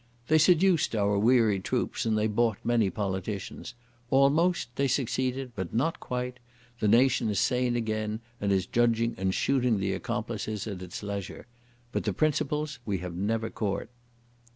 "They seduced our weary troops and they bought many politicians. Almost they succeeded, but not quite. The nation is sane again, and is judging and shooting the accomplices at its leisure. But the principals we have never caught."